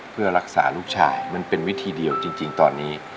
เพื่อรักษาลูกชายมันเป็นวิธีเดียวจริงตอนนี้